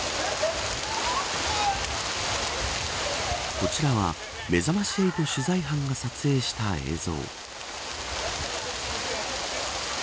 こちらは、めざまし８取材班が撮影した映像。